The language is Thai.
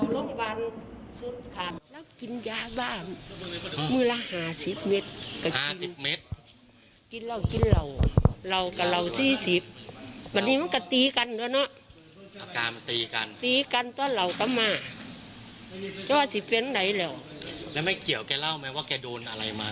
แล้วไม่เขียวแกเล่าไหมว่าแกโดนอะไรมาตั้งเท่าไหร่บ้าง